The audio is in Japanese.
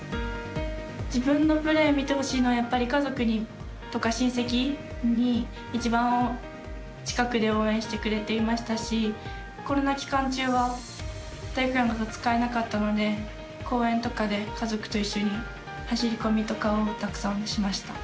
自分のプレー、見てほしいのは家族とか親戚に一番、近くで応援してくれていましたしコロナ期間中は体育館とか使えなかったので公園とかで家族と一緒に走り込みとかをたくさんしました。